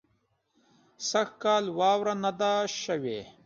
سږ کال واوره نۀ ده شوې